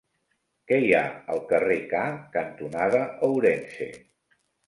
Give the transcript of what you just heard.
Què hi ha al carrer K cantonada Ourense?